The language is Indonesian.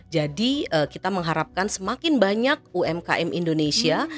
jadi kita mengharapkan semakin banyak umkm indonesia